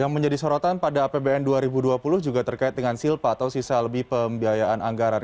yang menjadi sorotan pada apbn dua ribu dua puluh juga terkait dengan silpa atau sisa lebih pembiayaan anggaran